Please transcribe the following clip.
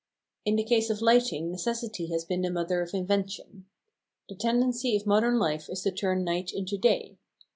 In the case of lighting necessity has been the mother of invention. The tendency of modern life is to turn night into day.